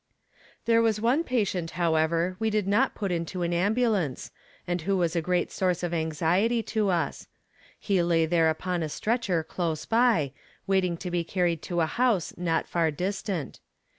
There was one patient, however, we did not put into an ambulance, and who was a great source of anxiety to us. He lay there upon a stretcher close by, waiting to be carried to a house not far distant.